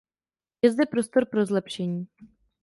Je zde prostor pro zlepšení.